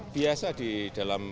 biasa di dalam